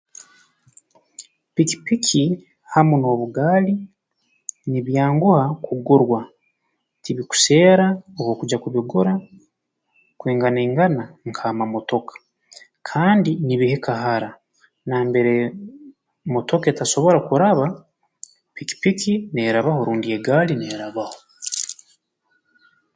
Pikipiki hamu n'obugaali nibyanguha kugurwa tibikuseera obu okugya kubigura kwinganaingana nk'amamotoka kandi nibika hara nambere motoka etasobora kuraba pikipiki neerabaho rundi egaali neerabaho